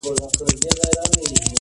په پردي کور کي ژوند په ضرور دی -